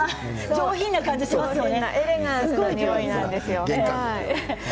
上品な香りがしますよね。